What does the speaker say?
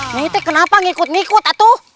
nyai itu kenapa ikut ikut atuh